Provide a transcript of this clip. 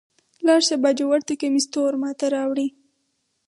لاړ شه باجوړ ته کمیس تور ما ته راوړئ.